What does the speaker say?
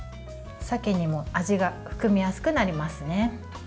さけにも味が含みやすくなりますね。